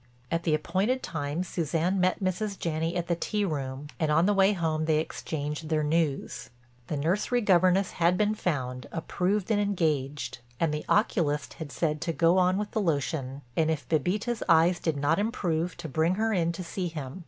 At the appointed time Suzanne met Mrs. Janney at the tea room and on the way home they exchanged their news. The nursery governess had been found, approved and engaged, and the oculist had said to go on with the lotion and if Bébita's eyes did not improve to bring her in to see him.